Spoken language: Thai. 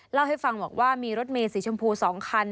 เล่าให้ฟังบอกว่ามีรถเมสีชมพู๒คัน